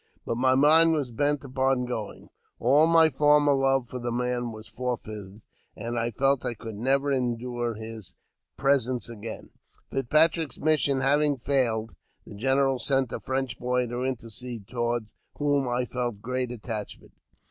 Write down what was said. But my mind was bent upon going ; all my former love for the man was forfeited, and I felt I could never endure his pre sence again. Fitzpatrick's mission having failed, the general sent a French boy to intercede, toward whom I felt great attachment.